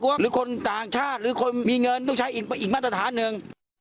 หรือคนต่างชาติหรือคนมีเงินต้องใช้อีกมาตรฐานหนึ่ง